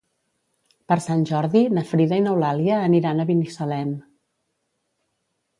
Per Sant Jordi na Frida i n'Eulàlia aniran a Binissalem.